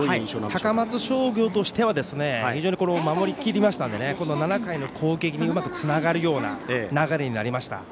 高松商業としては非常に守りきりましたので７回の攻撃にうまくつながるような流れになりました。